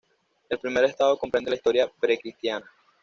El primer estado comprende la historia precristiana.